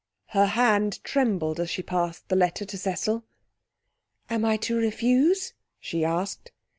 Her hand trembled as she passed the letter to Cecil. 'Am I to refuse?' she asked.